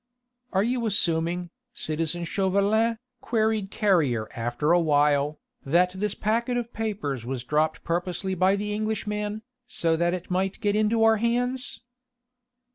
"Are you assuming, citizen Chauvelin," queried Carrier after awhile, "that this packet of papers was dropped purposely by the Englishman, so that it might get into our hands?"